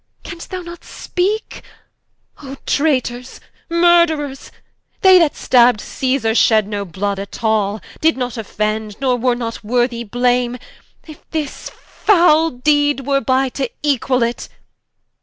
Can'st thou not speake? O Traitors, Murtherers! They that stabb'd Cæsar, shed no blood at all: Did not offend, nor were not worthy Blame, If this foule deed were by, to equall it.